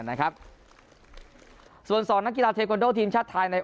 นะครับส่วนสองนักกีฬาเทควันโดทีมชาติไทยใน